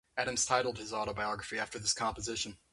Adams titled his autobiography after this composition.